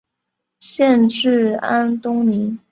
县治安东尼。